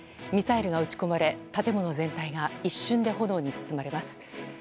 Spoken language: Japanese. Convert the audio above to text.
ミサイルが撃ち込まれ建物全体が一瞬で炎に包まれます。